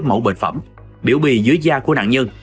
mẫu bệnh phẩm biểu bì dưới da của nạn nhân